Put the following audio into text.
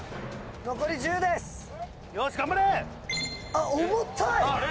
あっ重たい！